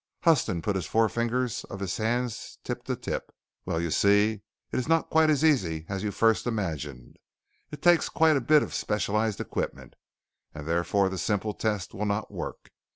Huston put the forefingers of his hands tip to tip. "Well, you see, it is not quite as easy as you first imagined. It takes quite a bit of specialized equipment, and therefore the simple test will not work.